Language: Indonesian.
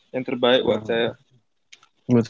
yang terbaik buat saya